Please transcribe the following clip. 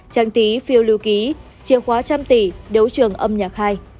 trang tí phiêu lưu ký chiếc khóa trăm tỷ đấu trường âm nhạc hai